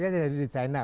jadi dia di china